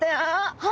はい！